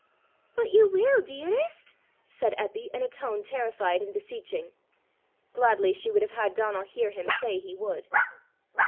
"But you will, dearest?" said Eppy in a tone terrified and beseeching. Gladly she would have had Donal hear him say he would.